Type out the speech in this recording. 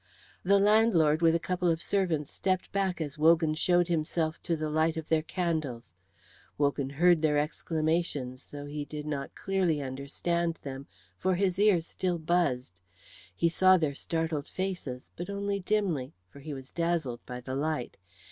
The landlord with a couple of servants stepped back as Wogan showed himself to the light of their candles. Wogan heard their exclamations, though he did not clearly understand them, for his ears still buzzed. He saw their startled faces, but only dimly, for he was dazzled by the light.